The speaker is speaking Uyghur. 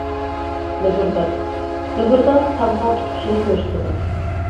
مۆھۈردار : مۆھۈردار تامغا تۇتقۇچىنى كۆرسىتىدۇ.